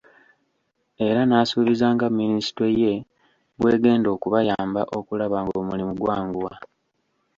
Era n'asuubiza nga minisitule ye bw'egenda okubayamba okulaba ng'omulimu gwanguwa.